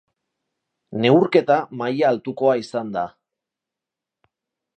Neurketa maila altukoa izan da.